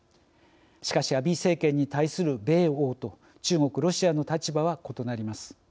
しかし、アビー政権に対する米欧と中国・ロシアの立場は異なります。